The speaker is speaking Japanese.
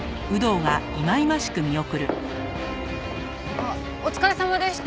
あっお疲れさまでした。